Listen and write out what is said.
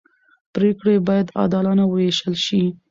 پرېکړې باید عادلانه وېشل شي